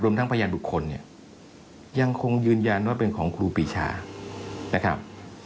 ทั้งพยานบุคคลเนี่ยยังคงยืนยันว่าเป็นของครูปีชานะครับ